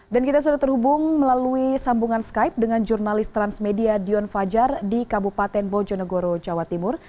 dan kita sudah terhubung melalui sambungan skype dengan jurnalis transmedia dion fajar di kabupaten bojonegoro jawa timur